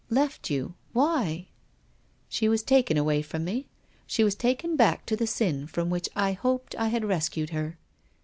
" Left you— why ?"" She was taken away from me. She was taken back to the sin from which I hoped I had rescued her."